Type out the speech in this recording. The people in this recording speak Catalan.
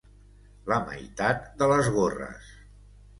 La meitat de les gorres.